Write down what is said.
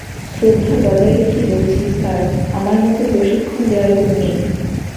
শ্রদ্ধা বজায় রেখেই বলছি, স্যার, আমার মধ্যে প্রশিক্ষণ দেয়ার গুণ নেই।